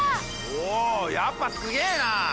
おやっぱすげぇな！